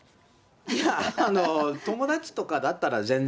いや、友達とかだったら全然。